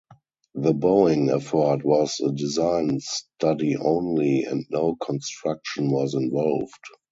The Boeing effort was a design study only, and no construction was involved.